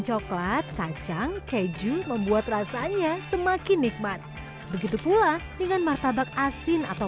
coklat kacang keju membuat rasanya semakin nikmat begitu pula dengan martabak asin atau